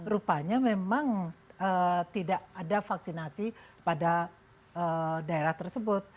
rupanya memang tidak ada vaksinasi pada daerah tersebut